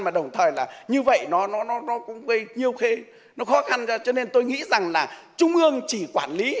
mà đồng thời là như vậy nó cũng gây nhiều khê nó khó khăn cho nên tôi nghĩ rằng là trung ương chỉ quản lý